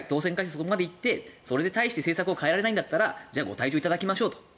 そこまで行ってそれで対して政策を変えられないんだったらご退場いただきましょうと。